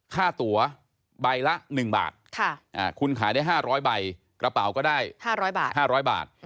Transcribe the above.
ค่าตัวใบละ๑บาทคุณขายได้๕๐๐ใบกระเป๋าก็ได้๕๐๐บาท๕๐๐บาท